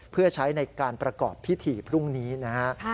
เพื่อใช้ในการประกอบพิธีพรุ่งนี้นะฮะ